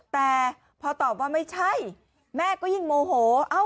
แต่พอตอบว่าไม่ใช่แม่ก็ยิ่งโมโห